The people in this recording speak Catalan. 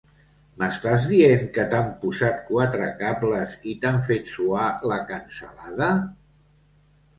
M'estàs dient que t'han posat quatre cables i t'han fet suar la cansalada?